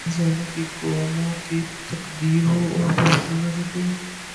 یعنی انسانوں کی یا قوموں کی تقدیر ہو اور وہ بدل نہ سکے۔